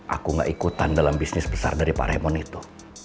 aku gak ikutan dalam bisnis besar dari pak remon itu